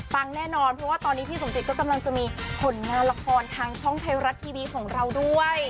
แน่นอนเพราะว่าตอนนี้พี่สมจิตก็กำลังจะมีผลงานละครทางช่องไทยรัฐทีวีของเราด้วย